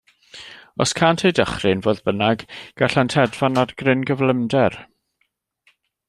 Os cânt eu dychryn, fodd bynnag, gallant hedfan ar gryn gyflymder.